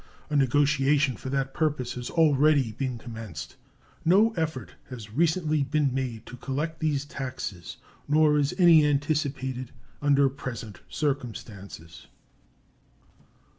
A negotiation for that purpose has already been commenced. No effort has recently been made to collect these taxes nor is any anticipated under present circumstances.